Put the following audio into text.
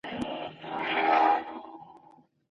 ایا واړه پلورونکي چارمغز پلوري؟